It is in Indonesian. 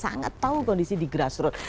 sangat tahu kondisi di grassroot